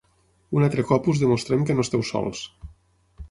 Un altre cop us demostrem que no esteu sols.